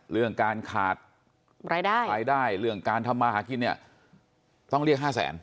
เรื่องการขาดรายได้รายได้เรื่องการทำมาหากินเนี่ยต้องเรียกห้าแสน